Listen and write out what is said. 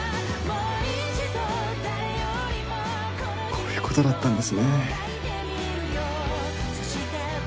こういうことだったんですね。